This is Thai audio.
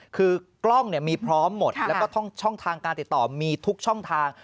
คือกล้องมีพร้อมหมดแล้วก็ช่องทางการติดต่อมีทุกช่องทาง